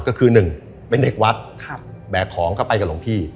ก็คือหนึ่งเป็นเด็กวัดแบกของเข้าไปกับหลวงพี่